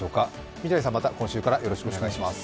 三谷さん、また今週からよろしくお願いします。